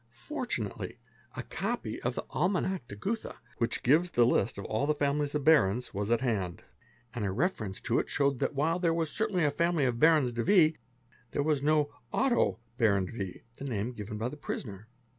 _ Fortunately a copy of the Almanach de Gotha, which gives the list of all the families of Barons, was at hand, and a reference to it showed that vhile there certainly was a family of '' Barons de V."' there was no "Otto, Baron de V." the name given by the prisoner.